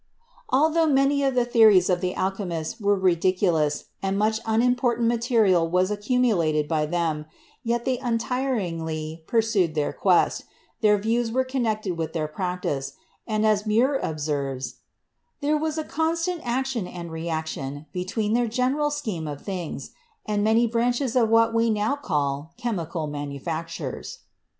Altho many of the theories of the alchemists were ridic ulous and much unimportant material was accumulated by them, yet they untiringly pursued their quest, their views were connected with their practice, and, as Muir observes, "there was a constant action and reaction be tween their general scheme of things and many branches of what we now call chemical manufactures."